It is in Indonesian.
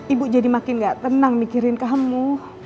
ibu jadi makin gak tenang mikirin kamu